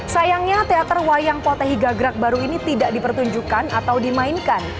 sayangnya teater wayang potehi gagrak baru ini tidak dipertunjukkan atau dimainkan